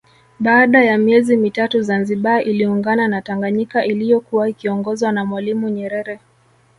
Baada ya miezi mitatu Zanzibar iliungana na Tanganyika iliyokuwa ikiongozwa na Mwalimu Nyerere